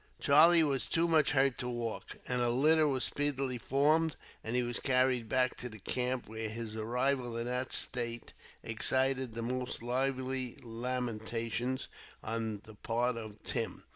Charlie was too much hurt to walk, and a litter was speedily formed, and he was carried back to the camp, where his arrival in that state excited the most lively lamentations on the part of Tim.